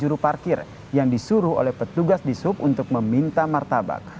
juru parkir yang disuruh oleh petugas di sub untuk meminta martabak